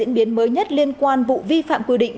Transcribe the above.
diễn biến mới nhất liên quan vụ vi phạm quy định